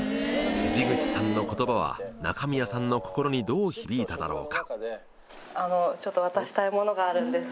辻口さんの言葉は中宮さんの心にどう響いただろうか。